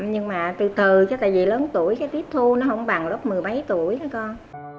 nhưng mà từ từ chứ tại vì lớn tuổi cái tiếp thu nó không bằng lớp mười mấy tuổi nữa con